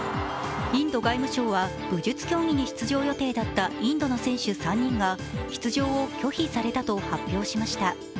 インド外務省は武術競技に出場予定だったインドの選手３人が出場を拒否されたと発表しました。